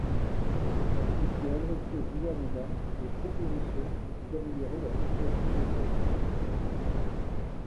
Il peut adresser au gouvernement des propositions en vue d'améliorer la situation des jeunes.